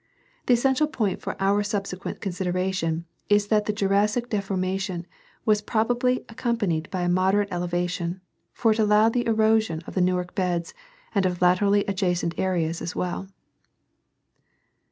The essential point for our sub sequent consideration is that the Jurassic deformation was prob ably accompanied by a moderate elevation, for it allowed the erosion of the Newark beds and of laterally adjacent areas as well.